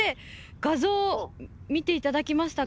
画像見ていただけましたか？